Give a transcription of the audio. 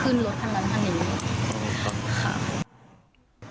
ขึ้นรถคันละคันนี้